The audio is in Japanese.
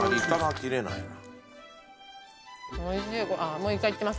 もうイカいってます？